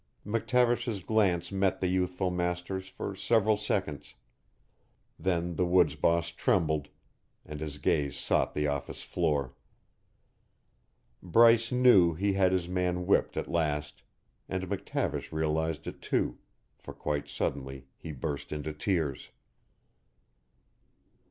McTavish's glance met the youthful master's for several seconds; then the woods boss trembled, and his gaze sought the office floor. Bryce knew he had his man whipped at last, and McTavish realized it, too, for quite suddenly he burst into tears.